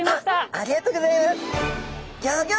あっありがとうギョざいます。